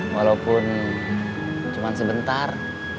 walaupun cuman sebentar